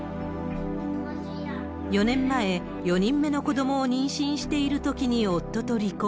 ４年前、４人目の子どもを妊娠しているときに夫と離婚。